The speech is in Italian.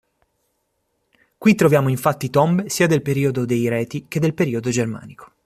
Qui troviamo infatti tombe sia del periodo dei reti che del periodo germanico.